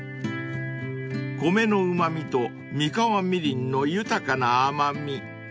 ［米のうま味と三河みりんの豊かな甘味］